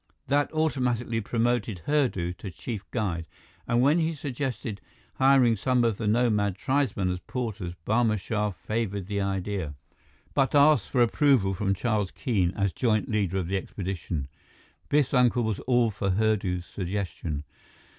That automatically promoted Hurdu to chief guide, and when he suggested hiring some of the nomad tribesmen as porters, Barma Shah favored the idea, but asked for approval from Charles Keene, as joint leader of the expedition. Biff's uncle was all for Hurdu's suggestion.